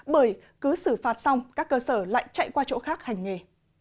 bởi cứ xử phạt xong các cơ sở lại chạy qua chỗ khác hành nghề